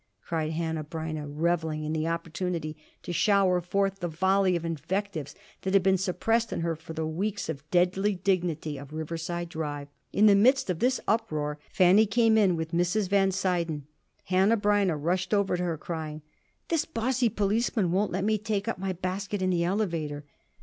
cried Hanneh Breineh, reveling in the opportunity to shower forth the volley of invectives that had been suppressed in her for the weeks of deadly dignity of Riverside Drive. In the midst of this uproar Fanny came in with Mrs. Van Suyden. Hanneh Breineh rushed over to her, crying: "This bossy policeman won't let me take up my basket in the elevator."